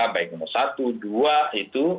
baiknya satu dua itu